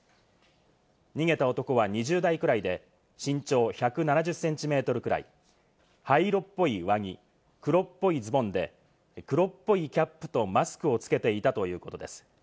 逃げた男は２０代くらいで身長１７０センチメートルくらい、灰色っぽい上着、黒っぽいズボンで、黒っぽいキャップとマスクを着けていたということです。